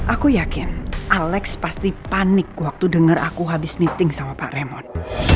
aku yakin alex pasti panik waktu dengar aku habis meeting sama pak remote